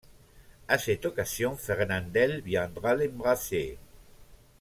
À cette occasion, Fernandel viendra l'embrasser.